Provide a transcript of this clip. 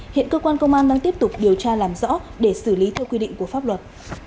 hiện cơ quan công an đang tiếp tục điều tra làm rõ để xử lý theo quy định của pháp luật